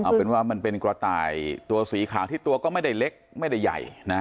เอาเป็นว่ามันเป็นกระต่ายตัวสีขาวที่ตัวก็ไม่ได้เล็กไม่ได้ใหญ่นะ